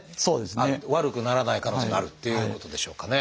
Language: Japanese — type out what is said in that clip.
悪くならない可能性もあるっていうことでしょうかね。